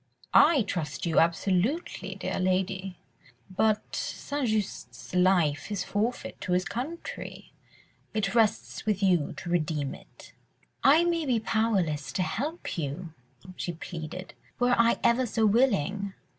"I trust you absolutely, dear lady, but St. Just's life is forfeit to his country ... it rests with you to redeem it." "I may be powerless to help you," she pleaded, "were I ever so willing."